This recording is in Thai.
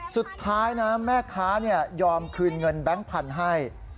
สุดท้ายนะแม่ค้ายอมคืนเงินแบงค์พันธุ์ให้